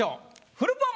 フルポン